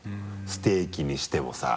ステーキにしてもさ。